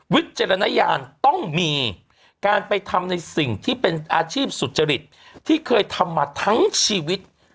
วิจารณญาณต้องมีการไปทำในสิ่งที่เป็นอาชีพสุจริตที่เคยทำมาทั้งชีวิต